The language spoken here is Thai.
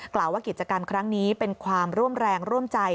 กล่าวว่ากิจกรรมครั้งนี้เป็นความร่วมแรงร่วมใจ